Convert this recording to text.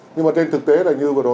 nhưng mà trên thực tế là như vừa rồi